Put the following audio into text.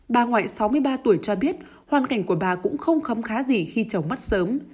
bà ngoại sáu mươi ba tuổi cho biết hoàn cảnh của bà cũng không khấm khá gì khi chồng mất sớm